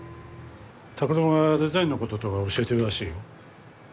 拓郎がデザインのこととか教えてるらしいよ。